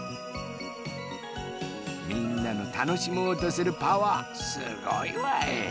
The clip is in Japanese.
みんなのたのしもうとするパワーすごいわい。